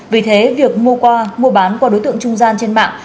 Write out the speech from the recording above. vì thế việc mua bán qua đối tượng trung gian trên mạng